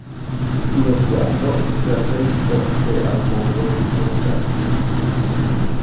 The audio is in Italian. Uno sguardo che cerca risposte al mondo circostante.